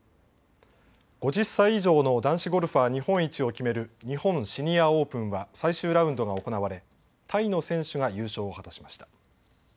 ５０歳以上の男子ゴルファー日本一を決める日本シニアオープンは最終ラウンドが行われタイの選手が優勝を果たしました。